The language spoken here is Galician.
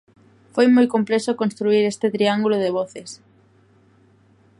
Foi moi complexo construír ese triángulo de voces.